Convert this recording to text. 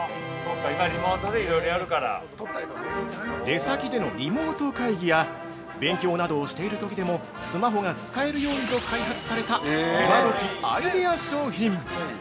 ◆出先でのリモート会議や勉強などをしているときでもスマホが使えるようにと開発された、今どきアイデア商品。